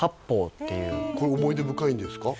これ思い出深いんですか？